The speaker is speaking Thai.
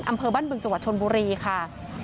อำเภอบ้านบึงจังหวัดชนบุรีค่ะ